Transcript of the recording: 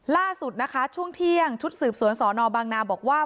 ล่าสุดนะคะช่วงเที่ยงชุดสืบสวนสอนอบางนาบอกว่า